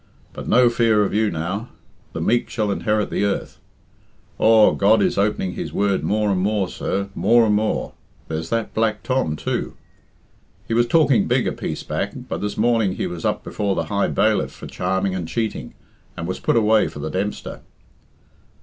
But no fear of you now. The meek shall inherit the earth. Aw, God is opening His word more and more, sir, more and more. There's that Black Tom too. He was talking big a piece back, but this morning he was up before the High Bailiff for charming and cheating, and was put away for the Dempster.